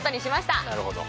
なるほど。